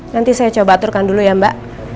nanti saya coba aturkan dulu ya mbak